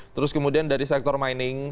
terus kemudian dari sektor mining